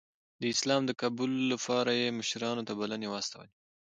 د اسلام د قبول لپاره یې مشرانو ته بلنې واستولې.